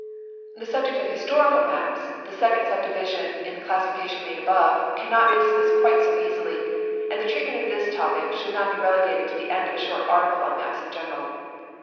The subject of historical maps, the second subdivision in the classification made above, cannot be dismissed quite so easily, and the treatment of this topic should not be relegated to the end of a short article on maps in general.